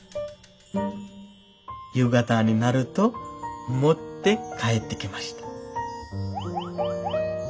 「夕方になると持って帰ってきました」。